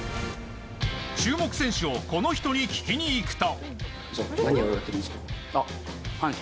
注目選手をこの人に聞きに行くと。